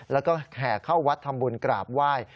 แล้วก็แห่เข้าวัดทำบุญกราบไหว้